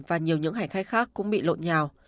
và nhiều những hành khách khác cũng bị lộ nhào